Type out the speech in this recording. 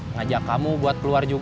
ngajak kamu buat keluar juga